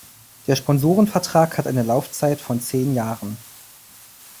Der Sponsorenvertrag hat eine Laufzeit von zehn Jahren.